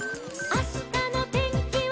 「あしたのてんきは」